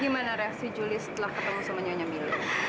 gimana reaksi juli setelah ketemu sama nyonya milo